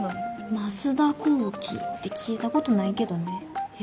増田こうきって聞いたことないけどねえ